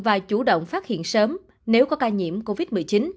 và chủ động phát hiện sớm nếu có ca nhiễm covid một mươi chín